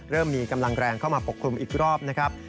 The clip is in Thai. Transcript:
เริ่มมีกำลังแรงเข้ามาปกคลุมอีกรอบนะครับ